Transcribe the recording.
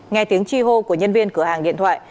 nghe tiếng chi hô của nhân viên cửa hàng điện thoại